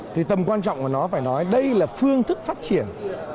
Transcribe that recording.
thì tầm quan trọng của nó phải nói đây là phương thức phát triển